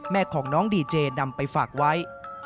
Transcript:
แม่ของน้องดีเจนำไปฝากไว้